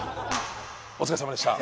お疲れさまでした。